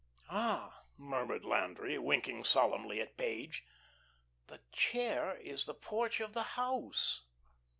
"Ah," murmured Landry, winking solemnly at Page, "the chair is the porch of the house."